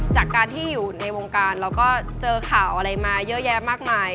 จากการที่อยู่ในวงการเราก็เจอข่าวอะไรมาเยอะแยะมากมาย